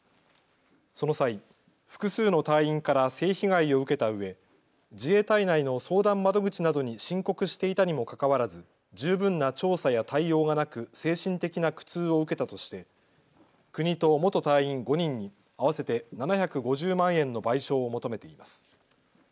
その際、複数の隊員から性被害を受けたうえ自衛隊内の相談窓口などに申告していたにもかかわらず十分な調査や対応がなく精神的な苦痛を受けたとして国と元隊員５人に合わせて７５０万円の賠償を求めています。